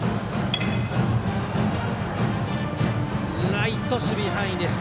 ライト守備範囲でした。